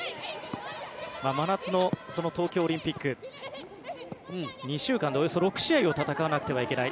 真夏の東京オリンピック２週間でおよそ６試合を戦わなくてはいけない。